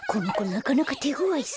なかなかてごわいぞ。